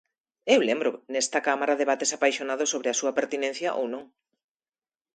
Eu lembro nesta Cámara debates apaixonados sobre a súa pertinencia ou non.